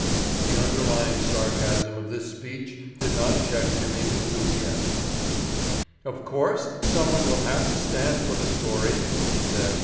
The underlying sarcasm of this speech did not check Jimmy's enthusiasm. "Of course, someone will have to stand for the story," he said.